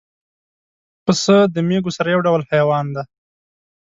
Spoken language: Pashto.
پسه د مېږو سره یو ډول حیوان دی.